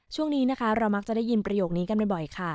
ช่วงนี้นะคะเรามักจะได้ยินประโยคนี้กันบ่อยค่ะ